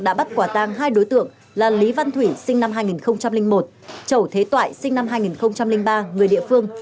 đã bắt quả tang hai đối tượng là lý văn thủy sinh năm hai nghìn một chẩu thế toại sinh năm hai nghìn ba người địa phương